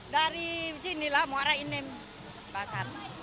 dari sinilah muara inim basar